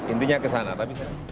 intinya kesana tapi